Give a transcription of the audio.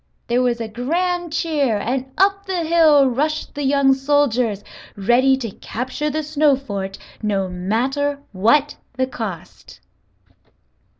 There was a grand cheer and up the hill rushed the young soldiers, ready to capture the snow fort no matter what the cost.